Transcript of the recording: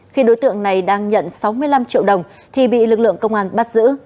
khi đối tượng này đang nhận sáu mươi năm triệu đồng thì bị lực lượng công an bắt giữ